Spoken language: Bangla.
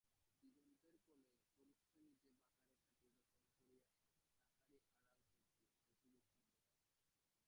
দিগন্তের কোলে তরুশ্রেণী যে বাঁকা রেখাঁটি রচনা করিয়াছে তাহারই আড়াল হইতে দেখিবে সূর্যকে।